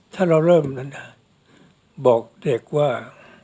ถ้าเราเริ่มนั้นนะบอกเด็กว่า